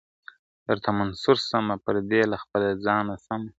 درته منصور سمه پردی له خپله ځانه سمه ,